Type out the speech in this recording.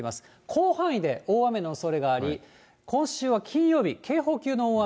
広範囲で大雨のおそれがあり、今週は金曜日、警報級の大雨。